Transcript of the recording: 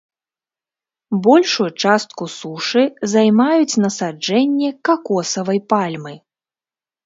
Большую частку сушы займаюць насаджэнні какосавай пальмы.